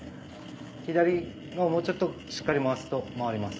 左ももうちょっとしっかり回すと回ります。